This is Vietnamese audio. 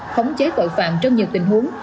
khống chế tội phạm trong nhiều tình huống